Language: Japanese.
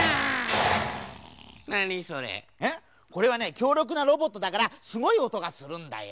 きょうりょくなロボットだからすごいおとがするんだよ。